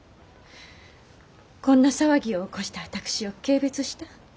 こんな騒ぎを起こした私を軽蔑した？